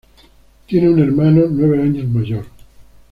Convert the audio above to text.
Tiene un hermano nueve años mayor.